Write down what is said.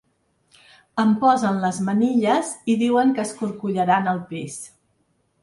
Em posen les manilles i diuen que escorcollaran el pis.